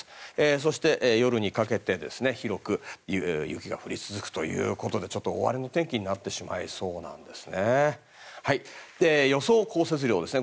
そして、夜にかけて広く雪が降り続くということでちょっと大荒れの天気になってしまいそうなんですね。